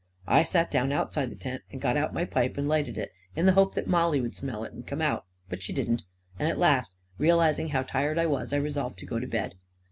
I sat down outside the tent, and got out my pipe and lighted it, in the hope that Mollie would smell it and come out; but she didn't; and at last, realizing how tired I was, I re solved to go to bed.